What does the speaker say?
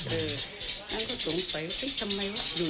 เออแล้วพี่ก็สงสัยว่าเอ๊ะทำไมล่ะ